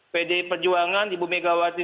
pd perjuangan ibu megawati